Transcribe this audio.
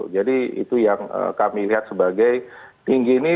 jadi itu yang kami lihat sebagai tinggi ini